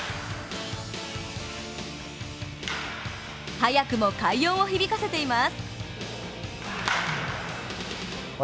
早くも快音を響かせています。